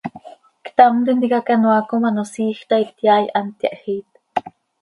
Ctam tintica canoaa com ano siij taa ityaai, hant yahjiit.